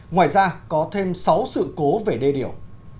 ngoài ra có thêm sáu sự cố về đê điều